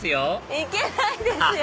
行けないですよ！